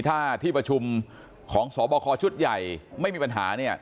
ถ้าที่ประชุมของสบคชุดใหญ่ไม่มีปัญหาเนี่ย